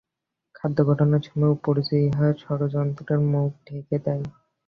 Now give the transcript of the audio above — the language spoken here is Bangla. খাদ্য গ্রহণের সময় উপজিহ্বা স্বরযন্ত্রের মুখ ঢেকে দেয়।